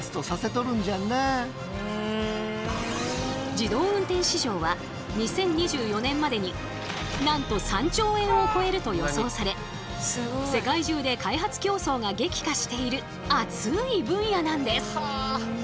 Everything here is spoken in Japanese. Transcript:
自動運転市場は２０２４年までになんと３兆円を超えると予想され世界中で開発競争が激化している熱い分野なんです！